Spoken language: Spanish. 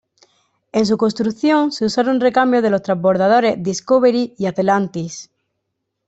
En su construcción se usaron recambios de los transbordadores "Discovery" y "Atlantis".